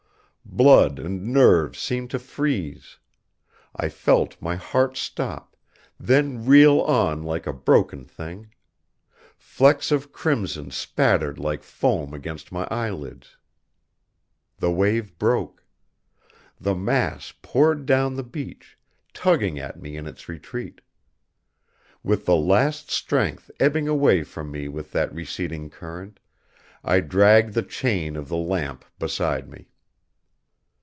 Blood and nerves seemed to freeze. I felt my heart stop, then reel on like a broken thing. Flecks of crimson spattered like foam against my eyelids. The wave broke. The mass poured down the beach, tugging at me in its retreat. With the last strength ebbing away from me with that receding current, I dragged the chain of the lamp beside me.